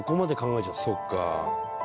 そっか。